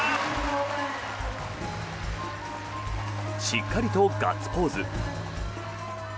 しっかりとガッツポーズ。